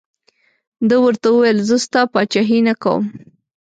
ده ورته وویل زه ستا پاچهي نه کوم.